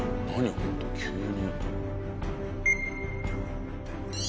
本当急に。